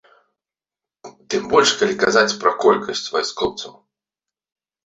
Тым больш, калі казаць пра колькасць вайскоўцаў.